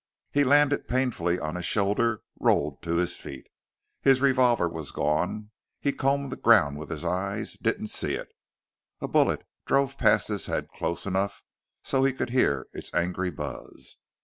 He landed painfully on a shoulder, rolled to his feet. His revolver was gone; he combed the ground with his eyes, didn't see it. A bullet drove past his head close enough so he could hear its angry buzz.